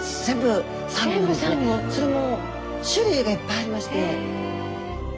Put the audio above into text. スタジオそれも種類がいっぱいありまして。